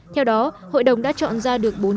theo đó hội đồng đã chọn ra được bốn công trình